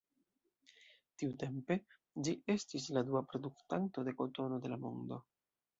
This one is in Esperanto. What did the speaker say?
Tiutempe, ĝi estis la dua produktanto de kotono de la mondo.